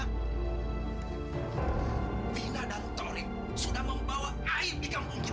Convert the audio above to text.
apa baik kamu bilang vina dan tori sudah membawa aisyah ke kampung ini